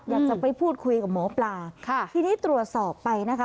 อยากจะไปพูดคุยกับหมอปลาค่ะทีนี้ตรวจสอบไปนะคะ